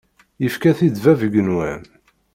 Yefka-t-id bab igenwan.